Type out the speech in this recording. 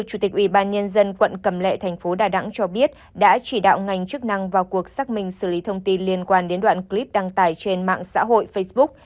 chủ tịch ubnd quận cầm lệ thành phố đà nẵng cho biết đã chỉ đạo ngành chức năng vào cuộc xác minh xử lý thông tin liên quan đến đoạn clip đăng tải trên mạng xã hội facebook